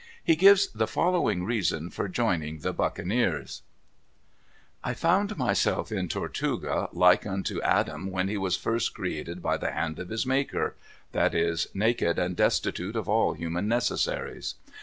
He gives the following reason for joining the buccaneers: "I found myself in Tortuga like unto Adam when he was first created by the hand of his Maker; that is, naked and destitute of all human necessaries.